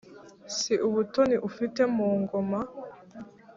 si ubutoni ufite mu ngoma